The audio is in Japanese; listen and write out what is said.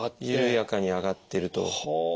緩やかに上がってると。